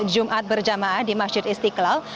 courtenay dan andika republik certainly